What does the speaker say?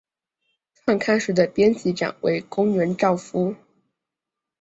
创刊时的编辑长为宫原照夫。